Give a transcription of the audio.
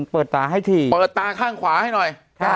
เปิดตาข้างขวาให้หน่อย